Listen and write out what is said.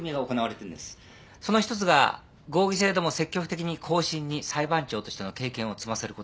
その一つが合議制でも積極的に後進に裁判長としての経験を積ませることです。